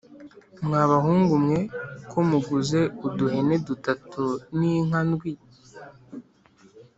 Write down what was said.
mwa bahungu mwe ko muguze uduhene dutatu n’inka ndwi’